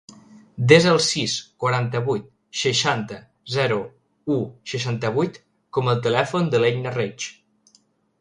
Desa el sis, quaranta-vuit, seixanta, zero, u, seixanta-vuit com a telèfon de l'Etna Reig.